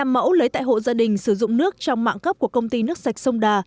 năm mẫu lấy tại hộ gia đình sử dụng nước trong mạng cấp của công ty nước sạch sông đà